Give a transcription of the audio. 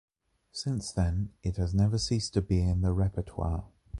Since then it has never ceased to be in the repertoire